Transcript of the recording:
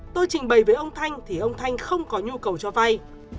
tôi trình bày với ông thanh thì ông thanh không có nhu cầu cho vay